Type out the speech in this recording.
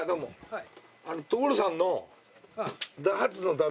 はい。